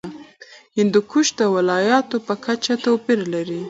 هندوکش د ولایاتو په کچه توپیر لري.